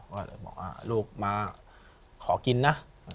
ก็เลยบอกว่าลูกมาขอกินนะ